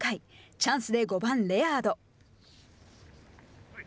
チャンスで５番レアード。